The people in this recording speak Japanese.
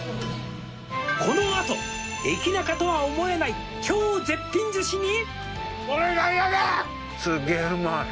「このあと駅ナカとは思えない超絶品寿司に」